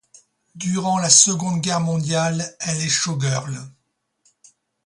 Durant la Seconde Guerre mondiale, elle est showgirl.